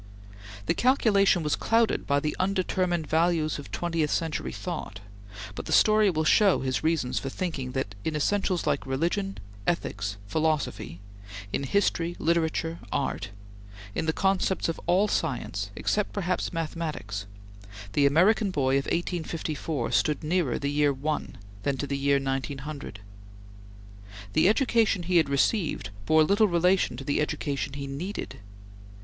The calculation was clouded by the undetermined values of twentieth century thought, but the story will show his reasons for thinking that, in essentials like religion, ethics, philosophy; in history, literature, art; in the concepts of all science, except perhaps mathematics, the American boy of 1854 stood nearer the year 1 than to the year 1900. The education he had received bore little relation to the education he needed.